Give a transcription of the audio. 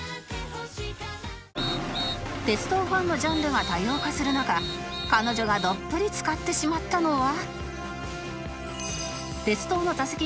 鉄道ファンのジャンルが多様化する中彼女がどっぷりつかってしまったのは